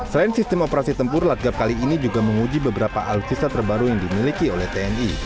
selain sistem operasi tempur latgab kali ini juga menguji beberapa alutsista terbaru yang dimiliki oleh tni